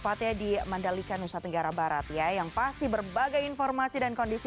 pate di mandalika nusa tenggara barat ya yang pasti berbagai informasi dan kondisi